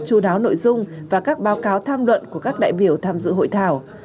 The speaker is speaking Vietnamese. chú đáo nội dung và các báo cáo tham luận của các đại biểu tham dự hội thảo